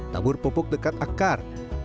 tabur pupuk dekat akar